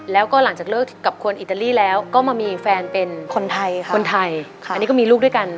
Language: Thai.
แล้วก็หลังจากเลิกกับคนอิตาลีแล้วก็มามีแฟนเป็นคนไทยค่ะคนไทยอันนี้ก็มีลูกด้วยกัน